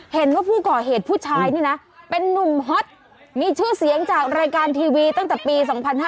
เห็นว่าผู้ก่อเหตุผู้ชายนี่นะเป็นนุ่มฮอตมีชื่อเสียงจากรายการทีวีตั้งแต่ปี๒๕๕๙